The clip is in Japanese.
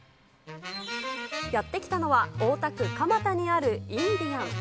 やって来たのは、大田区蒲田にあるインディアン。